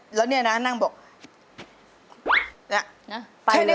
โฮลาเลโฮลาเลโฮลาเล